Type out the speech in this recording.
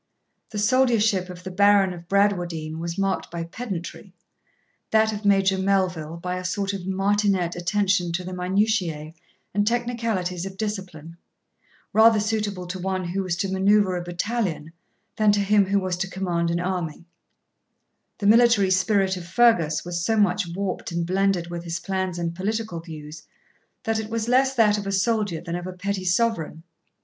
The soldiership of the Baron of Bradwardine was marked by pedantry; that of Major Melville by a sort of martinet attention to the minutiae and technicalities of discipline, rather suitable to one who was to manoeuvre a battalion than to him who was to command an army; the military spirit of Fergus was so much warped and blended with his plans and political views, that it was less that of a soldier than of a petty sovereign.